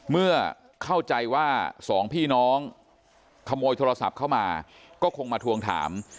เมื่อเข้าใจว่าสองพี่น้องขโมยโทรศัพท์เข้ามาก็คงมาทวงถาม